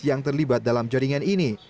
yang terlibat dalam jaringan ini